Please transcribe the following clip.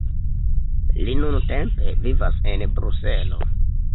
Li nuntempe vivas en Bruselo.